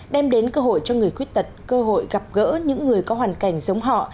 đem đến cơ hội cho người khuyết tật cơ hội gặp gỡ những người có hoàn cảnh giống họ